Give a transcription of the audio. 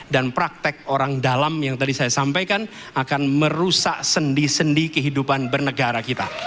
dan praktek orang dalam yang tadi saya sampaikan akan merusak sendi sendi kehidupan bernegara kita